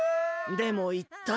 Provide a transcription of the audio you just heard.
でもいったい。